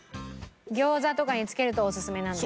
餃子とかにつけるとオススメなんですけど。